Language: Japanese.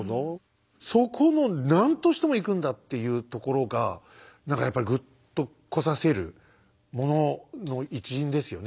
そこの何としても行くんだっていうところが何かやっぱりぐっとこさせるものの一因ですよね